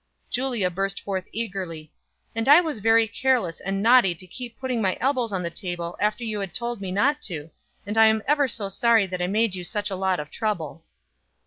Julia burst forth eagerly. "And I was very careless and naughty to keep putting my elbows on the table after you had told me not to, and I am ever so sorry that I made you such a lot of trouble."